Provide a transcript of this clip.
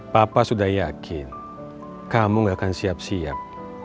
papa sudah yakin kamu gak akan siap siap